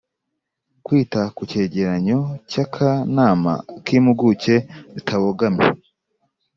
kwita ku cyegeranyo cy'akanama k'impuguke zitabogamye